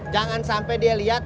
jangan sampai dia lihat